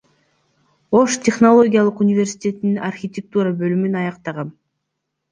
Ош технологиялык университетинин архитектура бөлүмүн аяктагам.